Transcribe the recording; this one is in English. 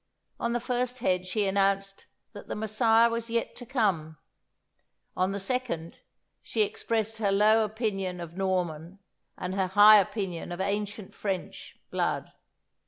On the first head she announced that the Messiah was yet to come; on the second, she expressed her low opinion of Norman, and her high opinion of ancient French, blood.